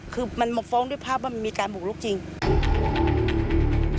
คือมันมกฟ้องด้วยภาพมีการบุกลุกจริง